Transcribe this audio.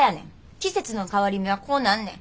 季節の変わり目はこうなんねん。